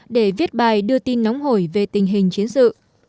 để viết bài đưa tin nóng hổi về tình hình chiến sự